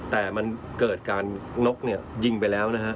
แต่มันเกิดการนกยิงไปแล้วนะฮะ